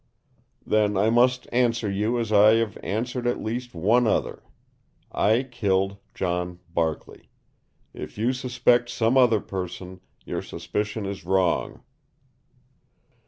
"Then I must answer you as I have answered at least one other. I killed John Barkley. If you suspect some other person, your suspicion is wrong."